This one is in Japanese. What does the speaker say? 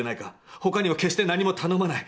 外には決して何も頼まない。